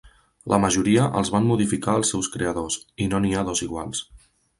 La majoria els van modificar els seus creadors, i no n'hi ha dos iguals.